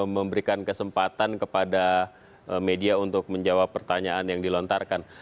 memberikan kesempatan kepada media untuk menjawab pertanyaan yang dilontarkan